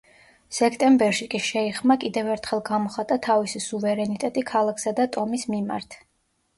სექტემბერში კი შეიხმა კიდევ ერთხელ გამოხატა თავისი სუვერენიტეტი ქალაქსა და ტომის მიმართ.